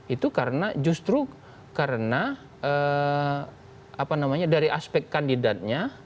itu karena justru karena apa namanya dari aspek kandidat